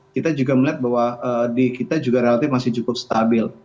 kita juga melihat bahwa di kita juga relatif masih cukup stabil